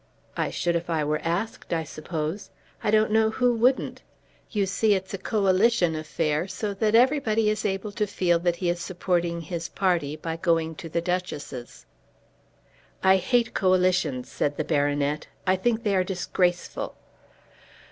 "I should if I were asked, I suppose. I don't know who wouldn't. You see it's a Coalition affair, so that everybody is able to feel that he is supporting his party by going to the Duchess's." "I hate Coalitions," said the baronet. "I think they are disgraceful."